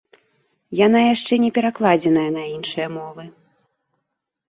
Яна яшчэ не перакладзеная на іншыя мовы.